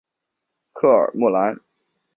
科尔莫兰。